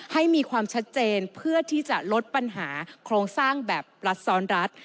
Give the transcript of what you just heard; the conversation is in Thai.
มีความชัดเจนเพื่อที่จะลดปัญหาโครงสร้างแบบรัฐซ้อนรัฐ